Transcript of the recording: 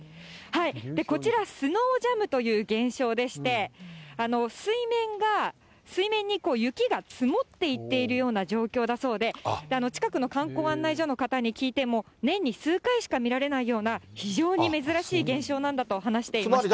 こちら、スノージャムという現象でして、水面が、水面に雪が積もっていっているような状況だそうで、近くの観光案内所の方に聞いても、年に数回しか見られないような、非常に珍しい現象なんだと話していました。